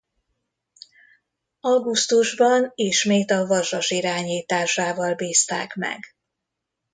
Augusztusban ismét a Vasas irányításával bízták meg.